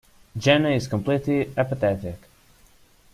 Jemma is completely apathetic.